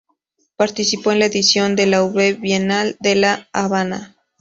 Participo en la Edición de la V Bienal de la Habana.